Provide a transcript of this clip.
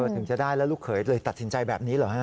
ถึงจะได้แล้วลูกเขยเลยตัดสินใจแบบนี้เหรอฮะ